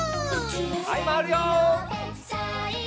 はいまわるよ。